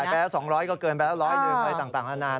จ่ายไปแล้ว๒๐๐ก็เกินไปแล้ว๑๐๐อะไรต่างนาน